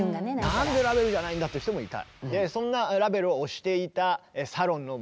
「なんでラヴェルじゃないんだ⁉」って人もいた。